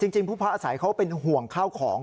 จริงผู้พักอาศัยเขาเป็นห่วงข้าวของ